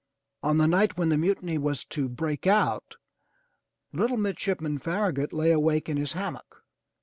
On the night when the mutiny was to break out, little midshipman Farragut lay awake in his hammock.